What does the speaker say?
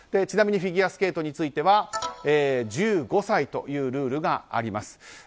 ちなみにフィギュアスケートについては１５歳というルールがあります。